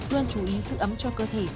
luôn chú ý sự ấm cho cơ thể